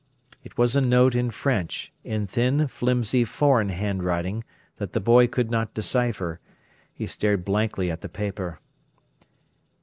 It was a note in French, in thin, flimsy foreign handwriting that the boy could not decipher. He stared blankly at the paper.